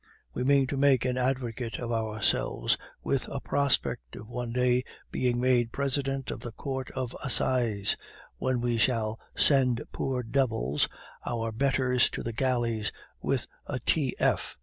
We mean to make an advocate of ourselves with a prospect of one day being made President of a Court of Assize, when we shall send poor devils, our betters, to the galleys with a T.F.